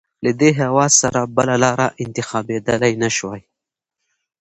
له دې هېواد سره بله لاره انتخابېدلای نه شوای.